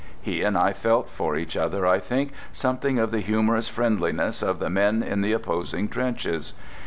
He and I felt for each other, I think, something of the humorous friendliness of the men in the opposing trenches.